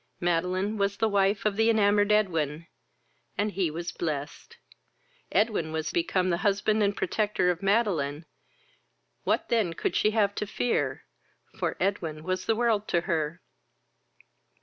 Madeline was the wife of the enamoured Edwin, and he was blest. Edwin was become the husband and protector of Madeline, what then could she have to fear, for Edwin was the world to her?